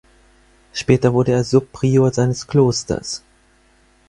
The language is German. Später wurde er Subprior seines Klosters.